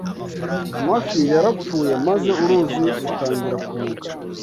Amafi yarapfuye maze uruzi rutangira kunuka